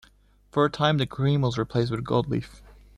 For a time the cream was replaced with gold leaf.